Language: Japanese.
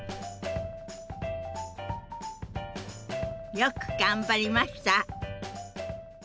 よく頑張りました！